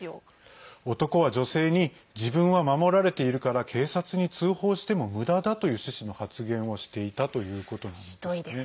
男は女性に自分は守られているから警察に通報してもむだだという趣旨の発言をしていたということなんですね。